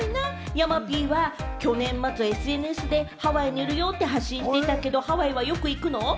山Ｐは去年末、ＳＮＳでハワイにいるよって発信してたけれども、ハワイはよく行くの？